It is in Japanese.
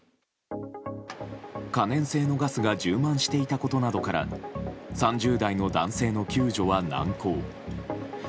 可燃性のガスが充満していたことなどから３０代の男性の救助は難航。